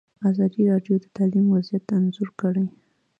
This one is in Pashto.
ازادي راډیو د تعلیم وضعیت انځور کړی.